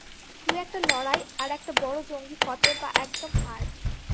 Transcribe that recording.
দু-একটা লড়াই আর একটা বড় জঙ্গি ফতে বা একদম হার।